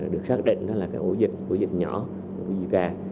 được xác định là ổ dịch nhỏ zika